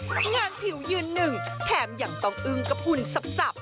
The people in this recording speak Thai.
งานผิวยืนหนึ่งแถมยังต้องอึ้งกระพุนสับ